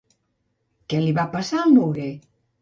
Què li va passar al noguer?